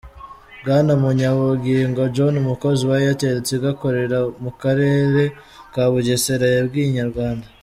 Bwana Munyabungingo John umukozi wa AirtelTigo ukorera mu karere ka Bugesera yabwiye Inyarwanda.